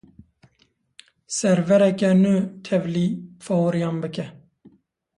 Servereke nû tevlî favoriyan bike.